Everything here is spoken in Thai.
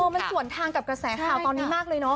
มันส่วนทางกับกระแสข่าวตอนนี้มากเลยเนาะ